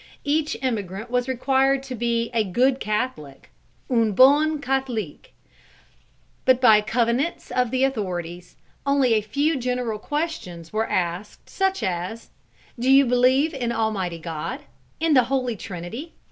Each emigrant was required to be "a good Catholic," un bon Catholique. But by connivance of the authorities, only a few general questions were asked, such as: "Do you believe in Almighty God? in the Holy Trinity?